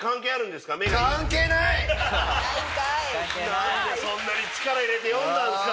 何でそんなに力入れて読んだんすか！